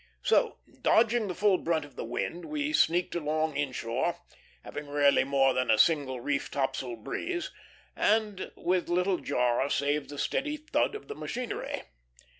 So, dodging the full brunt of the wind, we sneaked along inshore, having rarely more than a single reef topsail breeze, and with little jar save the steady thud of the machinery.